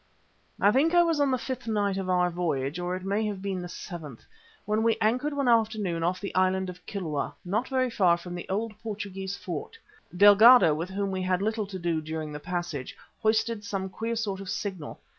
I think it was on the fifth night of our voyage, or it may have been the seventh, that we anchored one afternoon off the island of Kilwa, not very far from the old Portuguese fort. Delgado, with whom we had little to do during the passage, hoisted some queer sort of signal.